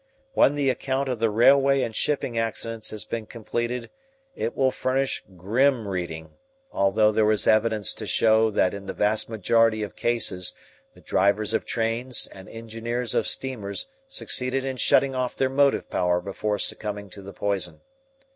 When the account of the railway and shipping accidents has been completed, it will furnish grim reading, although there is evidence to show that in the vast majority of cases the drivers of trains and engineers of steamers succeeded in shutting off their motive power before succumbing to the poison.